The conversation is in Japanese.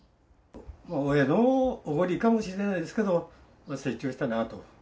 親のおごりかもしれないですけど、成長したなと。